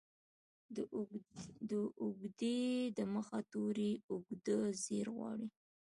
د اوږدې ې د مخه توری اوږدزير غواړي.